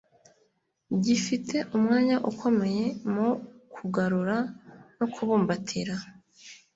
gifite umwanya ukomeye mu kugarura no kubumbatira